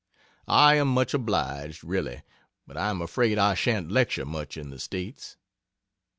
I am much obliged, really, but I am afraid I shan't lecture much in the States.